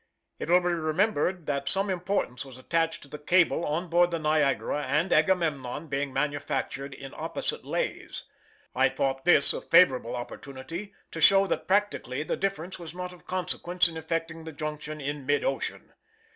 It will be remembered that some importance was attached to the cable on board the Niagara and Agamemnon being manufactured in opposite lays. I thought this a favorable opportunity to show that practically the difference was not of consequence in effecting the junction in mid ocean.